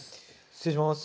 失礼します。